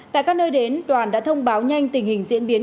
tại các nơi đến đoàn đã thông báo nhanh tình hình diễn biến